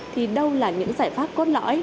thì đâu là những giải pháp cốt lõi